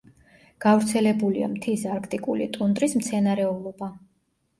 გავრცელებულია მთის არქტიკული ტუნდრის მცენარეულობა.